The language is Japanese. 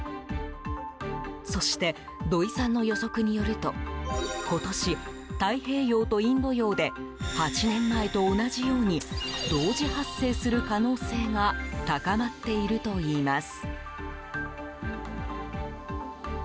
そして土井さんの予測によると今年、太平洋とインド洋で８年前と同じように同時発生する可能性が高まっているといいます。